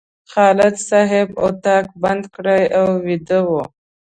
خالد صاحب اتاق بند کړی او ویده و.